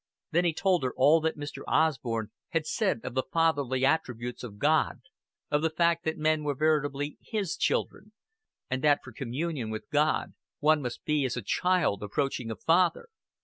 Then he told her all that Mr. Osborn had said of the fatherly attributes of God, of the fact that men were veritably His children, and that for communion with God one must be as a child approaching a father.